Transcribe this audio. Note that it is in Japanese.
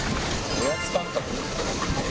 おやつ感覚。